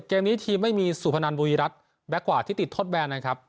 เกมนี้ทีมไม่มีสุพนันบุรีรัฐแบ็คกว่าที่ติดทดแบนนะครับ